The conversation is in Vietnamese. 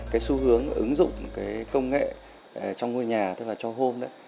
cái xu hướng ứng dụng công nghệ trong ngôi nhà tức là cho home